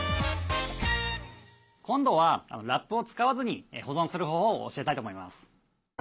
今度はラップを使わずに保存する方法を教えたいと思います。